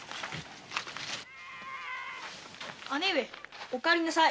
姉上お帰りなさい。